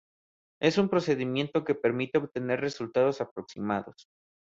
Es un procedimiento que permite obtener resultados aproximados.